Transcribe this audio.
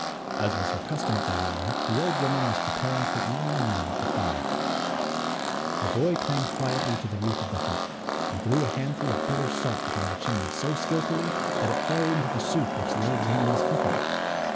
As was her custom at that hour, the old woman was preparing her evening meal at the fire. The boy climbed quietly to the roof of the hut, and threw a handful of bitter salt down the chimney so skillfully that it fell into the soup which the old woman was cooking.